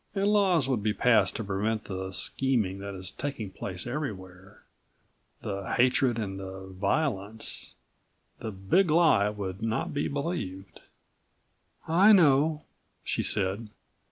And laws would be passed to prevent the scheming that's taking place everywhere, the hatred and the violence. The Big Lie would not be believed." "I know," she said.